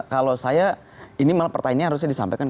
kalau saya ini malah pertanyaan harusnya disampaikan